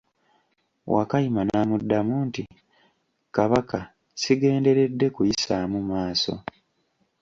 Wakayima n'amuddamu nti, Kabaka, sigenderedde kuyisaamu maaso.